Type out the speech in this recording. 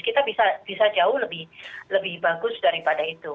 kita bisa jauh lebih bagus daripada itu